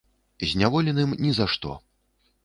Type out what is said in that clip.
Зняволеным ні за што.